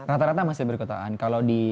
rata rata masih di perkotaan kalau di